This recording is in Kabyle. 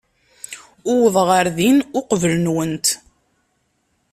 Uwḍeɣ ɣer din uqbel-nwent.